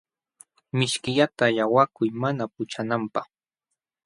Mishkillata llaqwakuy mana puchunanpaq.